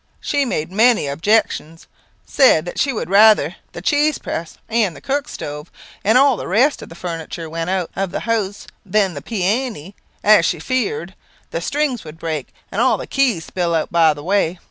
She made many objections said that she would rather the cheese press and the cook stove, and all the rest of the furniture went out of the house than the pee a ne, as she afear'd that the strings would break, and all the keys spill out by the way.